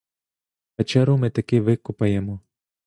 Печеру ми таки викопаємо.